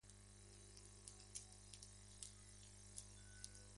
En "Something's Coming", la Sra.